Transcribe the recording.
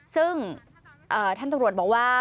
ซึ่งท่านตำรวจบอกว่า